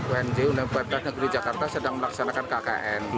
unj universitas negeri jakarta sedang melaksanakan kkn